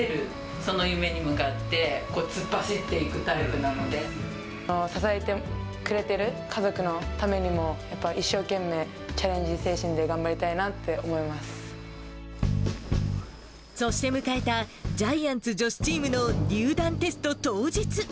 その夢に向かって、支えてくれてる家族のためにも、やっぱり一生懸命、チャレンジ精神で頑張りたいなって思いまそして迎えた、ジャイアンツ女子チームの入団テスト当日。